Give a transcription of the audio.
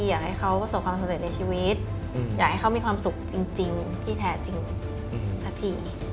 อยากให้เขาประสบความสำเร็จในชีวิตอยากให้เขามีความสุขจริงที่แท้จริงสักที